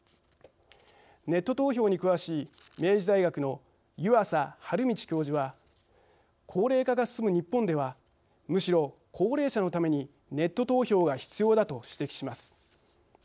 ネット投票に詳しい明治大学の湯淺墾道教授は「高齢化が進む日本ではむしろ高齢者のためにネット投票が必要だ」と指摘します。